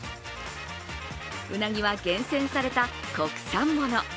うなぎは厳選された国産もの。